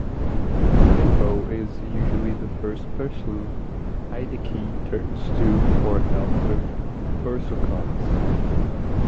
Shinbo is usually the first person Hideki turns to for help with persocoms.